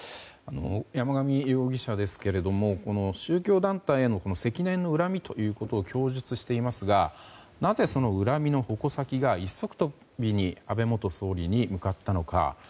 山上容疑者ですけれど宗教団体への積年の恨みということを供述していますがなぜその恨みの矛先が一足飛びに安倍元総理に向かったのか。